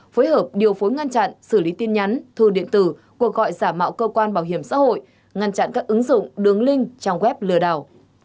phối hợp điều phối ngăn chặn xử lý tin nhắn thư điện tử cuộc gọi giả mạo cơ quan bảo hiểm xã hội ngăn chặn các ứng dụng đường link trang web lừa đảo